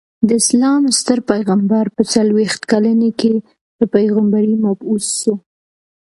د اسلام ستر پيغمبر په څلويښت کلني کي په پيغمبری مبعوث سو.